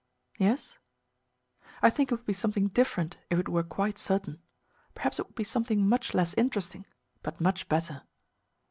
"Yes?" "I think it would be something different if it were quite certain. Perhaps it would be something much less interesting, but much better."